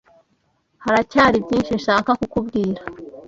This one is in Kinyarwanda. Haracyari byinshi nshaka kubwira .